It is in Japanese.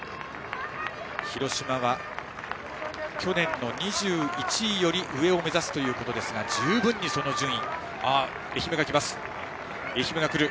広島は、去年の２１位より上を目指すということですが十分にその順位。